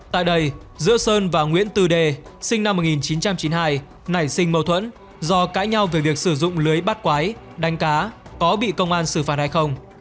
tại đây giữa sơn và nguyễn tư đề sinh năm một nghìn chín trăm chín mươi hai nảy sinh mâu thuẫn do cãi nhau về việc sử dụng lưới bát quái đánh cá có bị công an xử phạt hay không